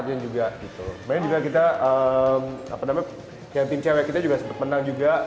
kemudian juga kita apa namanya yang tim cewek kita juga sempat menang juga